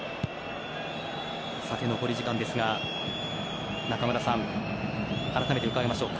残り時間ですが、中村さん改めて伺いましょう。